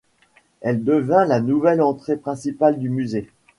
Elle devint la nouvelle entrée principale du musée.